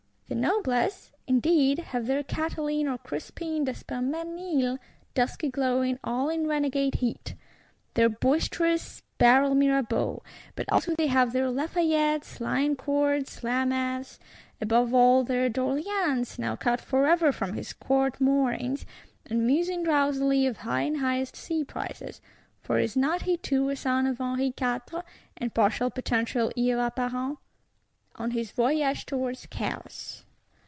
The Noblesse, indeed, have their Catiline or Crispin D'Espréménil, dusky glowing, all in renegade heat; their boisterous Barrel Mirabeau; but also they have their Lafayettes, Liancourts, Lameths; above all, their D'Orléans, now cut forever from his Court moorings, and musing drowsily of high and highest sea prizes (for is not he too a son of Henri Quatre, and partial potential Heir Apparent?)—on his voyage towards Chaos.